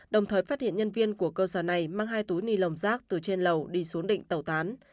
đồng thời phát hiện nhân viên của cơ sở này mang hai túi ni lông rác từ trên lầu đi xuống định tẩu tán